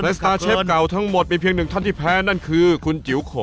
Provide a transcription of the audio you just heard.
สตาร์เชฟเก่าทั้งหมดมีเพียงหนึ่งท่านที่แพ้นั่นคือคุณจิ๋วโข